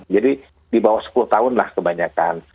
jadi di bawah sepuluh tahun lah kebanyakan